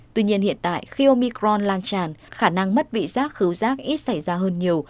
tuy nhiên hiện tại khi omicron lan tràn khả năng mất vị giác khứu rác ít xảy ra hơn nhiều